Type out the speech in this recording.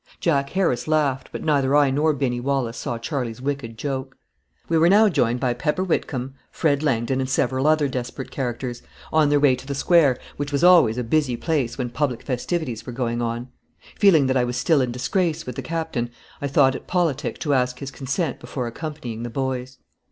Jack Harris laughed; but neither I nor Binny Wallace saw Charley's wicked joke. We were now joined by Pepper Whitcomb, Fred Langdon, and several other desperate characters, on their way to the Square, which was always a busy place when public festivities were going on. Feeling that I was still in disgrace with the Captain, I thought it politic to ask his consent before accompanying the boys.